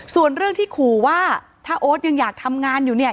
ส่วนเรื่องที่ขู่ว่าถ้าโอ๊ตยังอยากทำงานอยู่เนี่ย